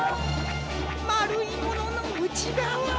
まるいもののうちがわ。